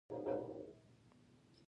باغداري د افغانستان د اقتصاد مهمه برخه ده.